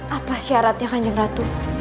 apa syaratnya kanjeng ratu